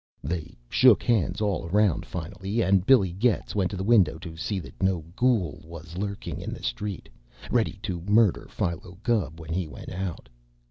They shook hands all 'round, finally, and Billy Getz went to the window to see that no ghoul was lurking in the street, ready to murder Philo Gubb when he went out.